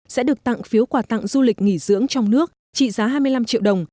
sẽ được tặng phiếu quà tặng du lịch nghỉ dưỡng trong nước trị giá hai mươi năm triệu đồng